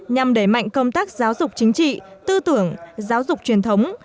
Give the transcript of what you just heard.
nhằm đẩy mạnh công tác giáo dục chính trị tư tưởng giáo dục truyền thống